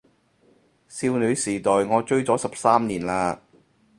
少女時代我追咗十三年喇